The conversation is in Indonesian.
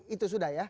itu sudah ya